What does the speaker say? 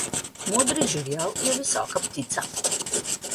Modri žerjav je visoka ptica.